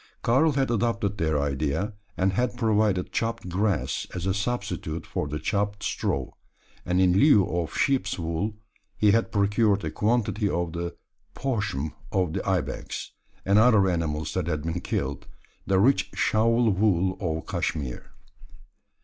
Karl had adopted their idea; and had provided chopped grass as a substitute for the chopped straw, and in lieu of sheep's wool he had procured a quantity of the poshm of the ibex, and other animals, that had been killed the rich shawl wool of Cashmere!